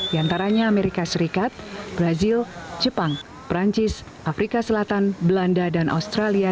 di antaranya amerika serikat brazil jepang perancis afrika selatan belanda dan australia